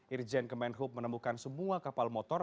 irjen kemenhub menemukan semua kapal motor